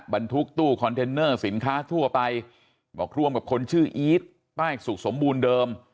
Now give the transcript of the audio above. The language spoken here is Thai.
บรรทุกตู้คอนเทนเนอร์สินค้าทั่วไปบอกร่วมกับคนชื่ออีทป้ายสุขสมบูรณ์เดิม